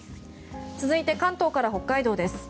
続いて関東から北海道です。